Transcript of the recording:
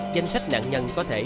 danh sách nạn nhân có thể